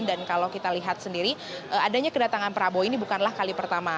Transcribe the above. dan kalau kita lihat sendiri adanya kedatangan prabowo ini bukanlah kali pertama